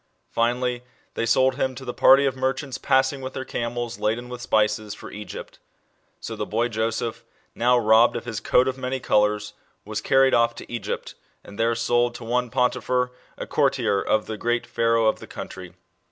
Finally, they sold him to the party of merchants passing with their camels, laden with spices, for Egypt. So the boy Joseph, now robbed of his coat of many colours, was carried off to Egypt, and there sold to one Potiphar, a courtier of the great Pharaoh of the country.